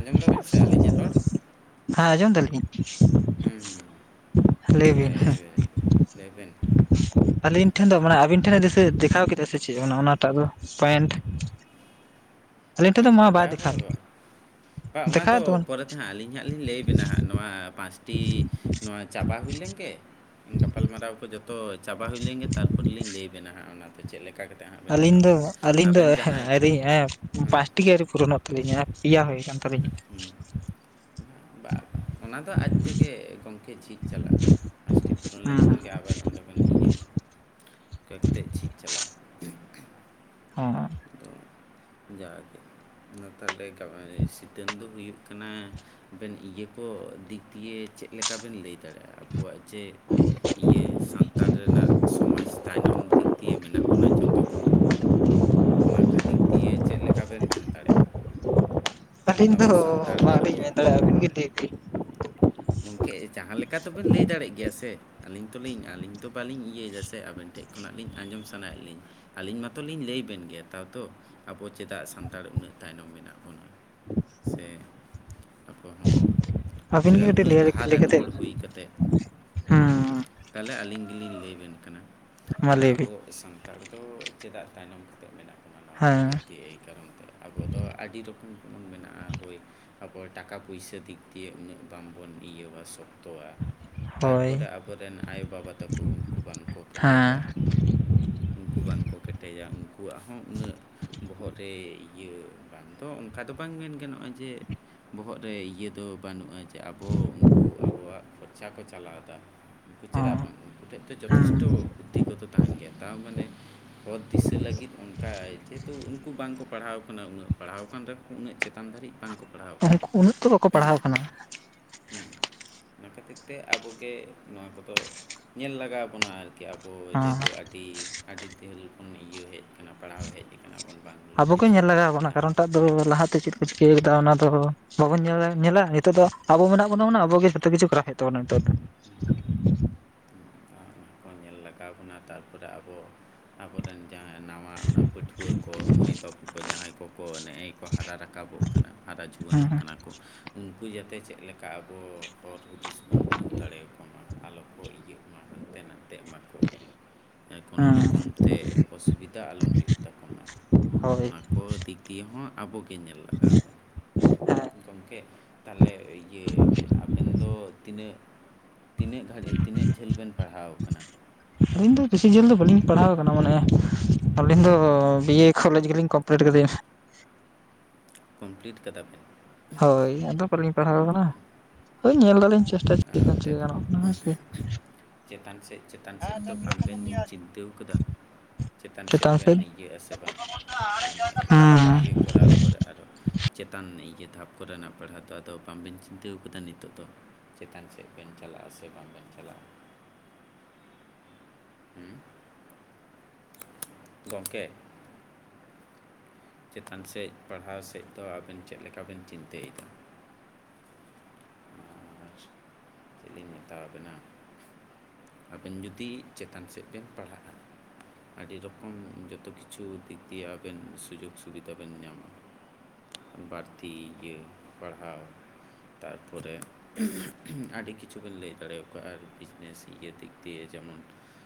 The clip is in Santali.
ᱟᱸᱡᱚᱢ ᱫᱟᱵᱮᱱ ᱥᱮ ᱟᱹᱞᱤᱧᱟᱜ ᱨᱚᱲ? ᱦᱮᱸ ᱟᱡᱽᱚᱢ ᱫᱟᱞᱤᱧ᱾ ᱦᱩᱸᱻ ᱞᱟᱹᱭ ᱵᱤᱱ ᱦᱮᱸ ᱛᱟᱦᱚᱞᱮ ᱞᱟᱹᱭᱵᱮᱱ᱾ ᱟᱹᱞᱤᱧ ᱴᱷᱮᱱ ᱫᱚ ᱢᱟᱱᱮ ᱟᱵᱤᱱ ᱴᱷᱮᱱᱮ ᱡᱮᱥᱮ ᱫᱮᱠᱷᱟᱣ ᱠᱮᱫᱟ ᱥᱮ ᱪᱮ ᱚᱱᱮ ᱚᱱᱟᱴᱟᱜ ᱫᱚ ᱯᱚᱭᱮᱱᱴ᱾ ᱟᱹᱞᱤᱧ ᱴᱷᱮᱱ ᱫᱚ ᱯᱚᱭᱮᱱᱴ ᱢᱟ ᱵᱟᱭ ᱵᱟᱝ ᱫᱮᱠᱷᱟᱣ ᱞᱮᱫᱟ ᱚᱱᱟ ᱫᱚ ᱯᱚᱨᱮ ᱛᱮ ᱦᱟ ᱟᱹᱞᱤᱧ ᱦᱟᱸᱜ ᱞᱤᱧ ᱞᱟᱹᱭᱟᱵᱮᱱᱟ ᱦᱟᱸᱜ ᱱᱚᱣᱟ ᱯᱟᱸᱪᱴᱤ ᱱᱚᱣᱟ ᱪᱟᱵᱟ ᱦᱩᱭ ᱞᱮᱱ ᱜᱮ᱾ ᱜᱟᱯᱟᱞᱢᱟᱨᱟᱣ ᱠᱚ ᱡᱚᱛᱚ ᱪᱟᱵᱟ ᱦᱩᱭ ᱞᱮᱱ ᱜᱮ ᱛᱟᱨᱯᱚᱨ ᱞᱤᱧ ᱞᱟᱹᱭ ᱟᱵᱮᱱᱟ ᱦᱟᱸᱜ ᱚᱱᱟ ᱛᱚ ᱪᱮᱫ ᱞᱮᱠᱟ ᱠᱟᱛᱮᱫ ᱦᱟᱸᱜ ᱵᱮᱱ ᱟᱹᱞᱤᱧ ᱧᱮᱞᱞᱟᱢ ᱫᱚ [unintelligible] ᱟᱹᱞᱤᱧ ᱫᱚ ᱟᱵᱮᱱ ᱡᱟᱦᱟᱸᱭ [unintelligible] ᱦᱩᱸ ᱯᱟᱸᱪᱴᱤ ᱜᱮ ᱟᱹᱣᱨᱤ ᱯᱩᱨᱚᱱᱚᱜ ᱛᱟᱹᱞᱤᱧᱟ᱾ ᱯᱮᱭᱟ ᱦᱩᱭ ᱟᱠᱟᱱ ᱛᱟᱹᱞᱤᱧᱟ᱾ ᱦᱩᱸ᱾ ᱵᱟ ᱵᱟ, ᱚᱱᱟ ᱫᱚ ᱟᱡ ᱛᱮᱜᱮ ᱜᱚᱝᱠᱮ ᱡᱷᱤᱡ ᱪᱟᱞᱟᱜ-ᱟ᱾ [unintelligible] ᱯᱩᱨᱚᱱ ᱞᱮᱱ ᱦᱩᱸ ᱠᱷᱟᱱ ᱜᱮ ᱟᱵᱟᱨ ᱚᱸᱰᱮ ᱵᱮᱱ ᱤᱭᱟᱹ ᱠᱟᱛᱮᱫ ᱡᱷᱤᱡ ᱪᱟᱞᱟᱜᱼᱟ, [unintelligible] ᱟᱫᱚ ᱡᱟᱜᱮ ᱚᱱᱟ ᱛᱟᱦᱟᱞᱮ [unintelligible] ᱥᱤᱛᱩᱝ ᱫᱚ ᱦᱩᱭᱩᱜ ᱠᱟᱱᱟ ᱟᱵᱮᱱ ᱤᱭᱟᱹ ᱠᱚ ᱫᱤᱠ ᱫᱤᱭᱮ ᱪᱮᱫ ᱞᱮᱠᱟ ᱵᱮᱱ ᱞᱟᱹᱭ ᱫᱟᱲᱮᱭᱟᱜᱼᱟ ᱟᱵᱚᱣᱟᱜ ᱡᱮ ᱤᱭᱟᱹ ᱥᱟᱱᱛᱟᱲ ᱨᱮᱱᱟᱜ ᱥᱚᱢᱟᱡᱽ ᱛᱟᱭᱱᱚᱢ ᱫᱤᱠ ᱫᱤᱭᱮ ᱢᱮᱱᱟᱜ ᱵᱚᱱᱟ ᱡᱚᱛᱚ ᱠᱷᱚᱱᱟᱜ ᱚᱱᱟ ᱠᱚ ᱫᱤᱠ ᱫᱤᱭᱮ ᱪᱮᱫ ᱞᱮᱠᱟᱵᱮᱱ ᱢᱮᱱ ᱫᱟᱲᱮᱭᱟᱜᱼᱟ? ᱟᱹᱞᱤᱧ ᱟᱵᱚ ᱫᱚ ᱥᱟᱱᱛᱟᱲ ᱵᱟᱞᱤᱧ ᱢᱮᱱ ᱫᱟᱲᱮᱭᱟᱜᱼᱟ᱾ ᱟᱹᱵᱤᱱ ᱜᱮ [unintelligible] [inaudible] ᱜᱚᱝᱠᱮ ᱡᱟᱦᱟᱸ ᱞᱮᱠᱟ ᱛᱚᱵᱮᱱ ᱞᱟᱹᱭ ᱫᱟᱲᱮᱭᱟᱜ ᱜᱮᱭᱟ ᱥᱮ᱾ ᱟᱹᱞᱤᱧ ᱛᱚᱞᱤᱧ ᱟᱹᱞᱤᱧ ᱛᱚ ᱵᱟᱹᱞᱤᱧ ᱤᱭᱟᱹᱭᱮ ᱥᱮ, ᱟᱵᱮᱱ ᱴᱷᱮᱡ ᱠᱷᱚᱱᱟᱜ ᱞᱤᱧ ᱟᱸᱡᱚᱢ ᱥᱟᱱᱟᱭᱮᱫ ᱞᱤᱧ ᱟᱹᱞᱤᱧ ᱢᱟᱛᱚ ᱞᱤᱧ ᱞᱟᱹᱭ ᱵᱤᱱ᱾ ᱱᱮᱛᱟᱨ ᱫᱚ ᱟᱵᱚ ᱪᱮᱫᱟᱜ ᱥᱟᱱᱛᱟᱲ ᱩᱱᱟᱹᱜ ᱛᱟᱭᱱᱚᱢ ᱢᱮᱱᱟᱜ ᱵᱚᱱᱟ? ᱥᱮ ᱟᱠᱚ ᱦᱚᱸ ᱟᱹᱵᱤᱱ ᱪᱮᱫᱟᱜ ᱜᱮ ᱩᱱᱟᱹᱜ ᱞᱟᱹᱭ ᱵᱤᱱ ᱟᱹᱵᱤᱱ ᱜᱮ ᱞᱟᱦᱟ ᱠᱟᱹᱴᱤᱡ ᱞᱟᱹᱭ ᱞᱟᱹᱭ ᱨᱮᱱ ᱠᱟᱛᱮᱫ ᱦᱚᱲ ᱦᱩᱭ ᱠᱟᱛᱮᱜ ᱦᱩᱸ ᱦᱩᱸᱼᱼ ᱛᱟᱦᱚᱞᱮ ᱟᱹᱞᱤᱧ ᱜᱮᱞᱤᱧ ᱞᱟᱹᱭ ᱵᱮᱱ ᱠᱟᱱᱟ ᱢᱟ ᱛᱟᱦᱚᱞᱮ ᱞᱟᱹᱭ ᱵᱤᱱ ᱟᱵᱚ ᱥᱟᱱᱛᱟᱲ ᱫᱚ ᱪᱮᱫᱟᱜ ᱛᱟᱭᱱᱚᱢ [unintelligible] ᱢᱮᱱᱟᱜ [unintelligible] ᱦᱮᱸ ᱮᱭ ᱠᱟᱨᱚᱱ ᱛᱮ ᱟᱵᱚ ᱫᱚ ᱟᱹᱰᱤ ᱨᱚᱠᱚᱢ ᱵᱚᱱ ᱢᱮᱱᱟᱜᱼᱟ ᱦᱳᱭ ᱛᱟᱯᱚᱨ ᱴᱟᱠᱟ ᱯᱩᱭᱥᱟ ᱫᱤᱠ ᱫᱤᱭᱮ ᱩᱱᱟᱹᱜ ᱵᱟᱝ ᱵᱚᱱ ᱤᱭᱟᱹᱣᱟ ᱥᱚᱠᱛᱚᱣᱟ ᱾ ᱦᱳᱭ ᱛᱟᱨᱯᱚᱨᱮ ᱟᱵᱚᱨᱮᱱ ᱟᱭᱳᱼᱵᱟᱵᱟ ᱛᱟᱠᱚ ᱩᱱᱠᱩ ᱵᱟᱝ ᱠᱚ ᱠᱮᱴᱮᱡᱟ, ᱦᱮᱸ ᱩᱱᱠᱩ ᱵᱟᱝ ᱠᱚ ᱠᱮᱴᱮᱡᱭᱟ ᱩᱱᱠᱩ ᱩᱱᱠᱩᱣᱟᱜ ᱦᱚᱸ ᱩᱱᱟᱹᱜ ᱵᱚᱦᱚᱜ ᱨᱮ ᱤᱭᱟᱹ ᱛᱚ ᱚᱱᱠᱟ ᱫᱚ ᱵᱟᱝ ᱢᱮᱱ ᱜᱟᱱᱚᱜᱼᱟ ᱡᱮ ᱵᱚᱦᱚᱜ ᱨᱮ ᱤᱭᱟᱹ ᱫᱚ ᱵᱟᱹᱱᱩᱜᱼᱟ ᱡᱮ ᱟᱵᱚ ᱩᱱᱠᱩ ᱟᱵᱚᱣᱟᱜ ᱠᱷᱚᱨᱪᱟ ᱠᱚ ᱪᱟᱞᱟᱣ ᱮᱫᱟ ᱾ ᱛᱚ ᱦᱚᱸ ᱪᱮᱫᱟᱜ ᱵᱟᱝ ᱩᱱᱠᱩ ᱴᱷᱮᱡ ᱫᱚ ᱡᱚᱛᱷᱮᱥᱴᱚ ᱵᱩᱫᱽᱫᱷᱤᱠᱚᱛᱚ ᱛᱟᱦᱮᱱ ᱜᱮᱭᱟ ᱛᱟᱣ ᱢᱟᱱᱮ, ᱯᱚᱛ ᱫᱤᱥᱟᱹ ᱞᱟᱹᱜᱤᱫ ᱛᱟᱭ ᱡᱮᱦᱮᱛᱩ ᱩᱱᱠᱩ ᱵᱟᱝ ᱠᱚ ᱯᱟᱲᱦᱟᱣ ᱠᱟᱱᱟ ᱩᱱᱟᱹᱜ ᱯᱟᱲᱦᱟᱣ ᱠᱟᱱ ᱨᱮᱦᱚᱸᱠᱚ ᱩᱱᱟᱹᱜ ᱪᱮᱛᱟᱱ ᱫᱷᱟᱹᱨᱤᱡ ᱵᱟᱝ ᱠᱚ [unintelligible] ᱩᱱᱟᱜ ᱛᱚ ᱵᱟᱠᱚ ᱯᱟᱲᱦᱟᱣ ᱠᱟᱱᱟ, ᱦᱩᱸ ᱚᱱᱟ ᱠᱷᱟᱹᱛᱤᱨ ᱛᱮ ᱟᱵᱚ ᱜᱮ ᱱᱚᱣᱟ ᱠᱚ ᱫᱚ ᱧᱮᱞ ᱞᱟᱜᱟᱣ ᱵᱚᱱᱟ ᱟᱨᱠᱤ ᱠᱤ ᱟᱵᱚ ᱦᱚᱸ ᱡᱮᱦᱮᱛᱩ ᱟᱹᱰᱤ ᱟᱹᱰᱤ ᱡᱷᱟᱹᱞ ᱠᱷᱚᱱ ᱤᱭᱟᱹ ᱦᱮᱡ ᱠᱟᱱᱟ ᱯᱟᱲᱦᱟᱣ ᱦᱮᱡ ᱟᱠᱟᱱᱟᱵᱚᱱ ᱾ ᱟᱵᱚ ᱜᱮ ᱧᱮᱞ ᱞᱟᱜᱟᱣ ᱵᱚᱱᱟ ᱾ ᱠᱟᱨᱚᱱᱴᱟᱜ ᱫᱚ ᱞᱟᱦᱟ ᱛᱮ ᱪᱮᱫ ᱠᱚ ᱪᱤᱠᱟᱹᱣ ᱟᱠᱟᱫᱟ ᱚᱱᱟ ᱫᱚ ᱵᱟᱵᱚᱱ ᱧᱮ ᱧᱮᱞᱟ ᱱᱤᱛᱚᱜ ᱫᱚ ᱟᱵᱚ ᱢᱮᱱᱟᱜ ᱵᱚᱱᱟ ᱢᱟᱱᱮ ᱟᱵᱚ ᱜᱮ ᱡᱚᱛᱚ ᱠᱤᱪᱷᱩ ᱠᱚᱨᱟᱣ ᱦᱩᱭᱩᱜ ᱛᱟᱵᱚᱱᱟ ᱱᱤᱛᱚᱜ ᱫᱚ ᱾ [inaudible] ᱠᱚ ᱧᱮᱞ ᱞᱟᱜᱟᱣ ᱵᱚᱱᱟ ᱛᱟᱨᱯᱚᱨᱮ ᱟᱵᱚ ᱟᱵᱚ ᱨᱮᱱ ᱡᱟᱦᱟᱸ ᱱᱟᱣᱟ ᱚᱱᱟ ᱯᱟᱹᱴᱷᱩᱣᱟᱹ ᱠᱚ ᱢᱟᱹᱭ ᱵᱟᱹᱵᱩ ᱠᱚ ᱡᱟᱦᱟᱸᱭ ᱠᱚᱠᱚ ᱱᱮ ᱮ ᱠᱚ ᱦᱟᱨᱟ ᱨᱟᱠᱟᱵᱚᱜ ᱠᱟᱱᱟ ᱦᱟᱨᱟ ᱡᱩᱣᱟᱹᱱᱚᱜ ᱦᱮᱸ ᱠᱟᱱᱟ ᱠᱚ ᱩᱱᱠᱩ ᱡᱟᱛᱮ ᱪᱮᱫ ᱞᱮᱠᱟ ᱟᱵᱚ ᱦᱚᱨ ᱦᱩᱫᱤᱥ ᱵᱚᱱ ᱩᱫᱩᱜ ᱫᱟᱲᱮᱭ ᱟᱠᱚ ᱢᱟ ᱟᱞᱚ ᱠᱚ ᱤᱭᱟᱹᱜ ᱢᱟ ᱦᱟᱱᱛᱮ ᱱᱟᱛᱮᱜ ᱢᱟᱠᱚ ᱠᱳᱱᱳ ᱦᱮᱸ ᱨᱚᱠᱚᱢ ᱛᱮ ᱚᱥᱩᱵᱤᱫᱟ ᱟᱞᱚ ᱦᱩᱭᱩᱜ ᱾ [unintelligible] [unintelligible] ᱠᱚ ᱫᱤᱠ ᱫᱤᱭᱮ ᱦᱚᱸ ᱟᱵᱚ ᱜᱮ ᱧᱮᱞ ᱞᱟᱜᱟᱣ ᱟᱵᱚ ᱦᱮᱸ ᱜᱚᱝᱠᱮ ᱛᱟᱦᱚᱞᱮ ᱤᱭᱟᱹᱭ ᱢᱮ ᱟᱵᱮᱱ ᱫᱚ ᱛᱤᱱᱟᱹᱜ ᱛᱤᱱᱟᱹᱜ ᱜᱷᱟᱹᱲᱤᱡ ᱛᱤᱱᱟᱹᱜ ᱡᱷᱟᱹᱞ ᱵᱮᱱ ᱯᱟᱲᱦᱟᱣ ᱟᱠᱟᱱᱟ? ᱟᱹᱞᱤᱧ ᱫᱚ ᱵᱤᱥᱤ ᱡᱷᱟᱹᱞ ᱫᱚ ᱵᱟᱹᱞᱤᱧ ᱯᱟᱲᱦᱟᱣ ᱟᱠᱟᱱᱟ ᱢᱟᱱᱮ ᱟᱹᱞᱤᱧ ᱫᱚ ᱵᱤᱭᱮ ᱠᱚᱞᱮᱡᱽ ᱜᱮ ᱞᱤᱧ ᱠᱚᱢᱯᱞᱤᱴ ᱠᱟᱫᱮᱭᱟ ᱾ ᱠᱚᱢᱯᱞᱤᱴ ᱠᱟᱫᱟ ᱵᱮᱱ, ᱦᱳᱭ ᱟᱫᱚ ᱵᱟᱞᱤᱧ ᱯᱟᱲᱦᱟᱣ ᱠᱟᱱᱟ ᱦᱳᱭ ᱧᱮᱞ ᱫᱚᱞᱤᱧ ᱪᱮᱥᱴᱟ [unintelligible] ᱚᱱᱛᱮ ᱪᱤᱠᱟᱹ ᱫᱚ ᱜᱟᱱᱚᱜ ᱠᱟᱱᱟ ᱦᱮᱸ ᱥᱮ, ᱪᱮᱛᱟᱱ ᱥᱮᱫ ᱪᱮᱛᱟᱱ ᱥᱮᱫ ᱫᱚ ᱟᱢᱵᱮᱱᱤᱧ ᱪᱤᱱᱛᱟᱹᱣ ᱟᱠᱟᱫᱟ ᱾ ᱪᱮᱛᱟᱱ ᱥᱮᱫ ᱵᱮᱱ ᱤᱭᱟᱹᱜ ᱟᱥᱮ ᱵᱟᱝ ᱢᱟᱱ ᱦᱮᱸ ᱤᱭᱟᱹ ᱠᱚᱨᱟᱣ ᱛᱟᱨᱯᱚᱨᱮ ᱟᱨᱚ ᱪᱮᱛᱟᱱ ᱤᱭᱟᱹ ᱫᱷᱟᱯ ᱠᱚᱨᱮᱱᱟᱜ ᱯᱟᱲᱦᱟᱣ ᱫᱚ ᱟᱫᱚ ᱵᱟᱝᱵᱤᱱ ᱪᱤᱱᱛᱟᱹᱣ ᱟᱠᱟᱫᱟ ᱱᱤᱛᱚᱜ ᱫᱚ? ᱪᱮᱛᱟᱱ ᱥᱮᱫ ᱵᱮᱱ ᱪᱟᱞᱟᱜ-ᱟ ᱥᱮ ᱵᱟᱝᱵᱮᱱ ᱪᱟᱞᱟᱜ-ᱟ᱾ ᱦᱩ ᱜᱚᱢᱠᱮ ᱪᱮᱛᱟᱱ ᱥᱮᱫ ᱯᱟᱲᱦᱟᱣ ᱥᱮᱫ ᱫᱚ ᱟᱵᱮᱱ ᱪᱮᱫ ᱞᱮᱠᱟ ᱵᱮᱱ ᱪᱤᱱᱛᱟᱹᱭᱮᱫᱟ? ᱟᱨ ᱪᱮᱫ ᱞᱤᱧ ᱢᱮᱛᱟ ᱵᱤᱱᱟ᱾ ᱟᱵᱤᱱ ᱡᱩᱫᱤ ᱪᱮᱛᱟᱱ ᱥᱮᱫ ᱵᱤᱱ ᱯᱟᱲᱦᱟᱜ-ᱟ, ᱟᱹᱰᱤ ᱨᱚᱠᱚᱢ ᱡᱚᱛᱚ ᱠᱤᱪᱷᱩ ᱫᱤᱠ ᱫᱤᱭᱮ ᱟᱵᱮᱱ ᱥᱩᱡᱳᱜᱽ ᱥᱩᱵᱤᱫᱷᱟ ᱵᱮᱱ ᱧᱟᱢᱟ᱾ ᱵᱟᱹᱲᱛᱤ ᱤᱭᱟᱹ ᱯᱟᱲᱦᱟᱣ᱾ ᱛᱟᱨᱯᱚᱨᱮ ᱟᱹᱰᱤ ᱠᱤᱪᱷᱩ ᱵᱤᱱ ᱞᱟᱹᱭ ᱫᱟᱲᱮᱭᱟᱠᱚᱣᱟ ᱟᱨ ᱵᱤᱡᱽᱱᱮᱥ ᱤᱭᱟᱹ ᱫᱤᱠ ᱫᱤᱭᱮ ᱡᱮᱢᱚᱱ